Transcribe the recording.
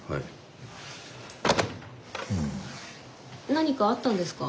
何かあったんですか？